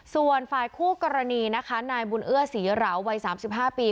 ส่วนฝ่ายคู่กรณีนะคะนายบุญเอื้อศรีเหราวัย๓๕ปี